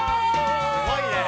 すごいね。